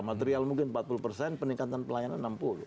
material mungkin empat puluh persen peningkatan pelayanan enam puluh